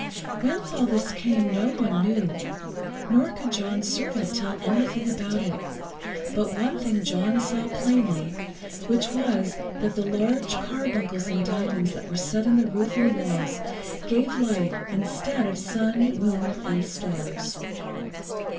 Whence all this came no one knew, nor could John's servant tell anything about it, but one thing John saw plainly, which was, that the large carbuncles and diamonds that were set in the roof and walls gave light instead of the sun, moon, and stars.